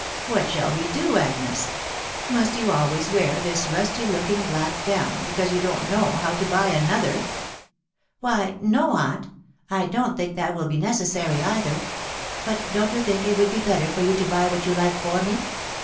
. What shall we do, Agnes ?..•. Must you always wear this rusty looking black gown, because you don't know how to buy another ?"" Why, no, aunt .... I don't think that will be neces sary either ; but don't you think it would be ^better for you to buy what you like for me